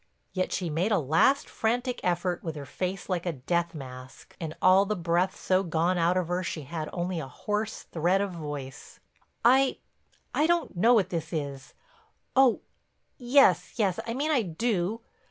Yet she made a last frantic effort, with her face like a death mask and all the breath so gone out of her she had only a hoarse thread of voice: "I—I—don't know what this is—oh, yes, yes, I mean I do.